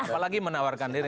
apalagi menawarkan diri